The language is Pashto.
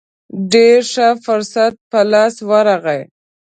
ډېر ښه فرصت په لاس ورغی.